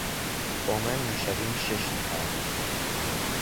با من میشویم شش نفر.